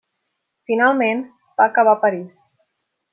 Finalment va acabar a París.